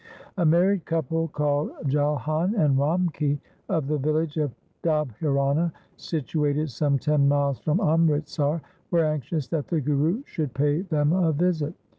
A married couple called Jalhan and Ramki of the village of Dobhirana, situated some ten miles from Amritsar, were anxious that the Guru should pay them a visit.